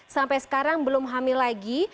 sampai sekarang belum hamil lagi